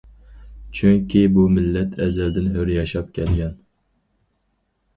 چۈنكى بۇ مىللەت ئەزەلدىن ھۆر ياشاپ كەلگەن.